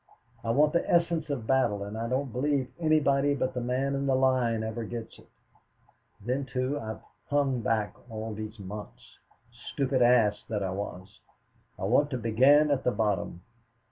I want the essence of battle, and I don't believe anybody but the man in the line ever gets it. Then, too, I've hung back all these months, stupid ass that I was. I want to begin at the bottom.